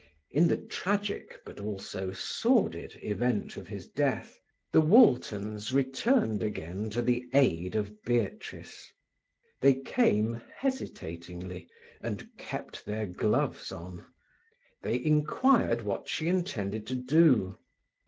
In the tragic, but also sordid, event of his death, the Waltons returned again to the aid of Beatrice. They came hesitatingly, and kept their gloves on. They inquired what she intended to do.